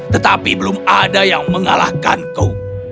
tetapi belum ada yang mengalahkanku